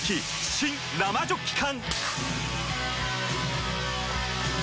新・生ジョッキ缶！